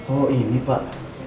oh ini pak